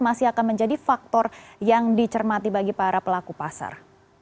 masih akan menjadi faktor yang dicermati bagi para pelaku pasar